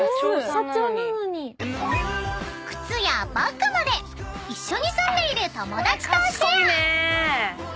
［靴やバッグまで一緒に住んでいる友達とシェア］